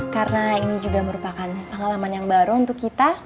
karena ini juga merupakan pengalaman yang baru untuk kita